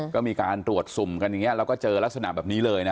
ก็มีการตรวจสุ่มกันอย่างนี้แล้วก็เจอลักษณะแบบนี้เลยนะ